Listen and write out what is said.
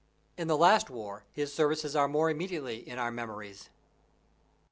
In the last war, his services are more immediately in our memories.